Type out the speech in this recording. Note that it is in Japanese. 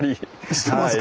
してますか？